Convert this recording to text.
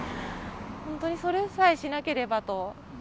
本当にそれさえしなければと。